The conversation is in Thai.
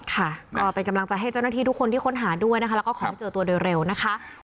ค่ะก็เป็นกำลังใจให้เจ้าหน้าที่ทุกคนที่ค้นหาด้วยนะคะแล้วก็ขอให้เจอตัวโดยเร็วนะคะ